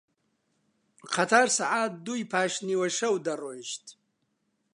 قەتار سەعات دووی پاش نیوەشەو دەڕۆیشت